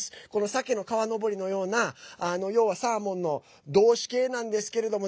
サケの川上りのような要はサーモンの動詞形なんですけれども。